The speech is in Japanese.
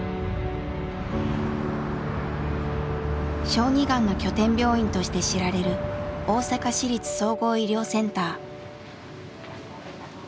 小児がんの拠点病院として知られる大阪市立総合医療センター。